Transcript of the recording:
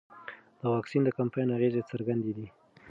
د واکسین د کمپاین اغېز څرګند دی.